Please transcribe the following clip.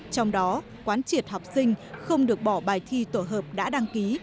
trong đó quán triệt học sinh không được bỏ bài thi tổ hợp đã đăng ký